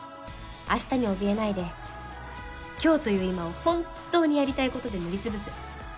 明日におびえないで今日という今を本当にやりたいことで塗りつぶす。